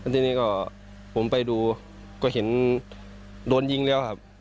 ทีนี้ก็ผมไปดูก็เห็นโดนยิงแล้วครับ